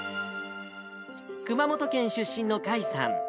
熊本県出身の甲斐さん。